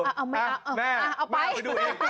น๊าอ้าเอาไป